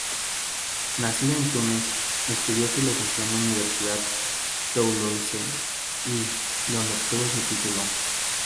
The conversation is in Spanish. Nacida en Túnez, estudió filosofía en la Universidad Toulouse I, donde obtuvo su título.